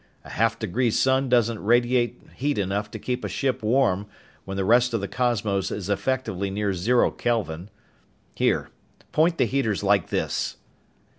A half degree sun doesn't radiate heat enough to keep a ship warm, when the rest of the cosmos is effectively near zero Kelvin. Here, point the heaters like this."